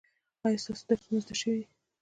ایا ستاسو درسونه زده شوي دي؟